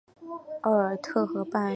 奥尔特河畔圣皮耶尔人口变化图示